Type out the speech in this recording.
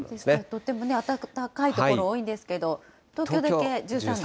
とても暖かい所多いんですけど、東京だけ１３度。